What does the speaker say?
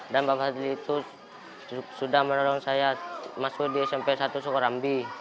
dan pak fadli itu sudah menolong saya masuk di smp satu sukurambi